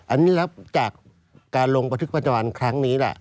อันนี้รับจากการลงประทึกประจำวันครั้งนี้แหละ